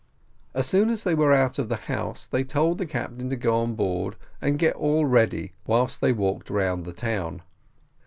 As soon as they were out of the house, they told the captain to go on board and get all ready whilst they walked round the town.